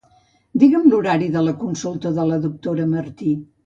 Digue'm l'horari de consulta de la doctora Martí.